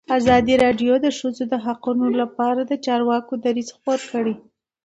ازادي راډیو د د ښځو حقونه لپاره د چارواکو دریځ خپور کړی.